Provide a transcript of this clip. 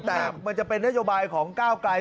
แต่มันจะเป็นนโยบายของก้าวไกล